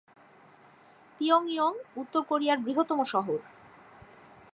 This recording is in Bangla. পিয়ং ইয়াং উত্তর কোরিয়ার বৃহত্তম শহর।